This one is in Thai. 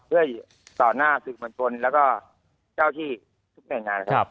เพื่อต่อหน้าสื่อมวลชนแล้วก็เจ้าที่ทุกหน่วยงานนะครับ